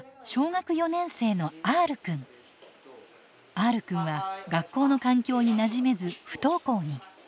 Ｒくんは学校の環境になじめず不登校に。